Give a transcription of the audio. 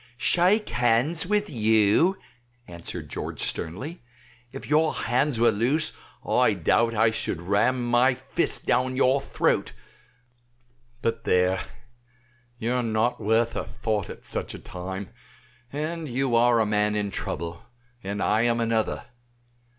"Shake hands with you?" answered George sternly; "if your hands were loose I doubt I should ram my fist down your throat; but there, you are not worth a thought at such a time, and you are a man in trouble, and I am another.